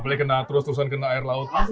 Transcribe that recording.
apalagi terus terusan kena air laut